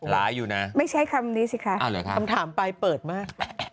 อยู่นะไม่ใช่คำนี้สิคะคำถามไปเปิดมาก